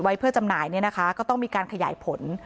ไว้เพื่อจำหน่ายเนี่ยนะคะก็ต้องมีการขยายผล